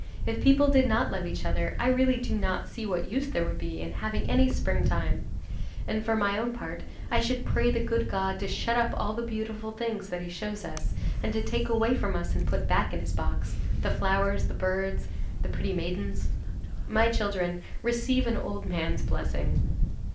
If people did not love each other, I really do not see what use there would be in having any springtime; and for my own part, I should pray the good God to shut up all the beautiful things that he shows us, and to take away from us and put back in his box, the flowers, the birds, and the pretty maidens. My children, receive an old man's blessing."